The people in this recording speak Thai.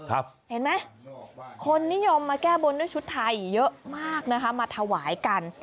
เห็นไหมคนนิยมมาแก้บนด้วยชุดไทยเยอะมากนะคะมาถวายกัน